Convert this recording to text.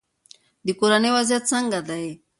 د کورنۍ وضعیت څنګه دی؟